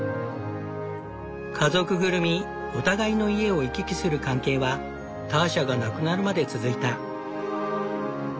家族ぐるみお互いの家を行き来する関係はターシャが亡くなるまで続いた。